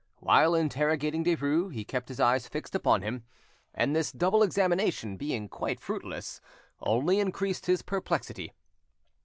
While interrogating Derues, he kept his eyes fixed upon him; and this double examination being quite fruitless, only increased his perplexity.